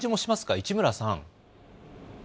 市村さん。